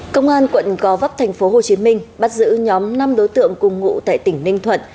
công an quận gò vấp tp hcm bắt giữ nhóm năm đối tượng cùng ngụ tại tỉnh ninh thuận